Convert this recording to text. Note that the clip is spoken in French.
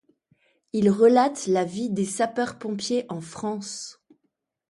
Il relate la vie des sapeurs-pompiers en France.